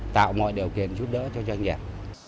tạo mọi điều kiện giúp đỡ cho doanh nghiệp